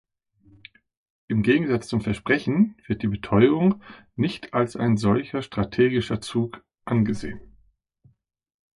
Im Gegensatz zum Versprechen wird die Beteuerung nicht als ein solcher strategischer Zug angesehen.